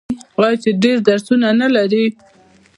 آیا چې ډیر درسونه نلري؟